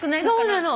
そうなの。